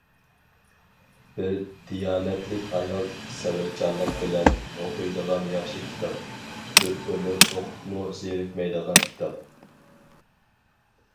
بىر دىيانەتلىك ئايال سەۋرچانلىق بىلەن ئوقۇيدىغان ياخشى كىتاب، بىر ئۆمۈر ئوقۇپمۇ زېرىكمەيدىغان كىتاب.